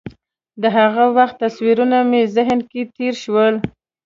د هغه وخت تصویرونه مې ذهن کې تېر شول.